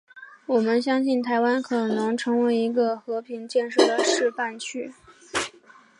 我们相信台湾可能成为一个和平建设的示范区。